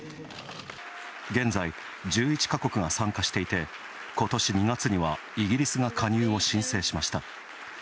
現在、１１か国が参加していてことし２月にはイギリスが加入を申請しました。